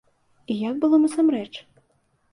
І як было насамрэч?